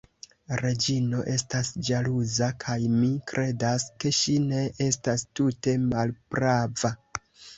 Reĝino estas ĵaluza: kaj mi kredas, ke ŝi ne estas tute malprava.